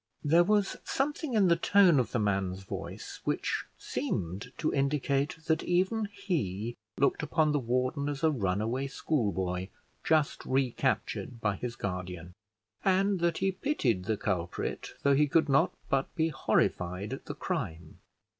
There was something in the tone of the man's voice which seemed to indicate that even he looked upon the warden as a runaway schoolboy, just recaptured by his guardian, and that he pitied the culprit, though he could not but be horrified at the crime.